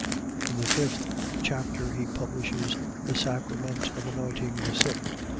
In the fifth chapter he publishes the sacrament of anointing the sick.